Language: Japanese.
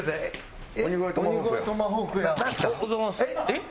えっ？